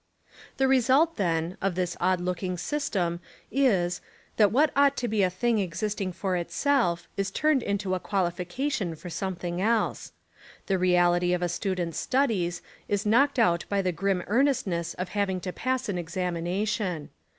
The result, then, of this odd looking sys tem is, that what ought to be a thing existing for itself is turned into a quahfication for some thing else. The reality of a student's studies is knocked out by the grim earnestness of hav ing to pass an examination.